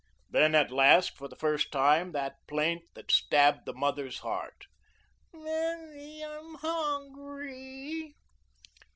Then, at last, for the first time, that plaint that stabbed the mother's heart: "Mammy, I'm hungry."